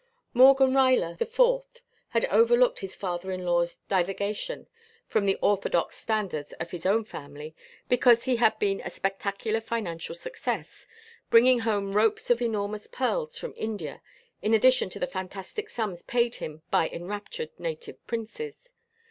Morgan Ruyler IV had overlooked his father in law's divagation from the orthodox standards of his own family because he had been a spectacular financial success; bringing home ropes of enormous pearls from India in addition to the fantastic sums paid him by enraptured native princes.